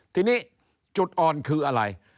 ทีนี้จุดอ่อนคืออะไร